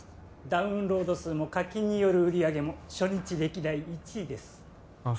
ダウンロード数も課金による売上も初日歴代１位ですああ